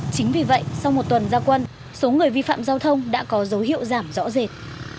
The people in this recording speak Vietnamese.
chính vì vậy sau một tuần gia quân số người vi phạm giao thông đã có dấu hiệu giảm rõ rệt